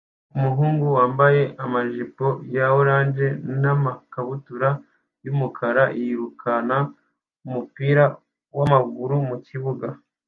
Umuhungu wambaye amajipo ya orange n'ikabutura y'umukara yirukana umupira w'amaguru mu kibuga